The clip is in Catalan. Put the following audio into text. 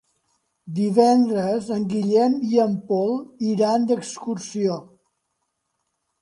Divendres en Guillem i en Pol iran d'excursió.